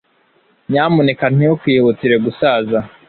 nyamuneka ntukihutire gusaza